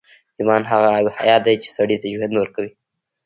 ايمان هغه آب حيات دی چې سړي ته ژوند ورکوي.